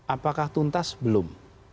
apakah tuntas belum